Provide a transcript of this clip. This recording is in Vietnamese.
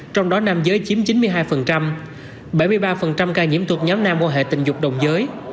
trong đó nam giới chiếm chín mươi hai bảy mươi ba ca nhiễm thuộc nhóm nam bộ hệ tình dục đồng giới